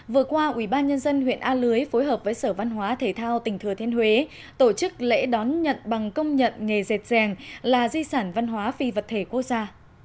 vừa qua ubnd huyện a lưới phối hợp với sở văn hóa thể thao tỉnh thừa thiên huế tổ chức lễ đón nhận bằng công nhận nghề dệt là di sản văn hóa phi vật thể quốc gia